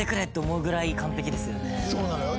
そうなのよ。